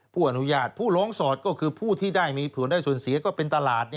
ผู้อนุญาตผู้ร้องสอดก็คือผู้ที่ได้มีผลได้ส่วนเสียก็เป็นตลาด